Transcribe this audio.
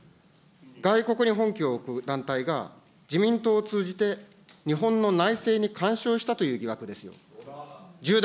外国に本拠を置く団体が、自民党を通じて、日本の内政に干渉したという疑惑ですよ。